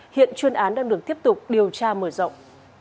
hiện chuyên án đang được tiếp tục điều tra mở rộng